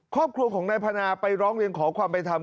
ครอบครัวของนายพนาไปร้องเรียนขอความเป็นธรรม